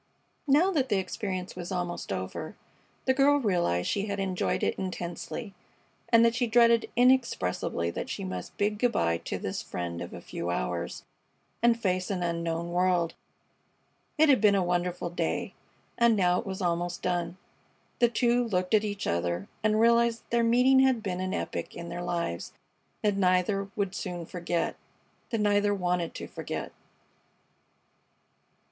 Now that the experience was almost over, the girl realized that she had enjoyed it intensely, and that she dreaded inexpressibly that she must bid good by to this friend of a few hours and face an unknown world. It had been a wonderful day, and now it was almost done. The two looked at each other and realized that their meeting had been an epoch in their lives that neither would soon forget that neither wanted to forget.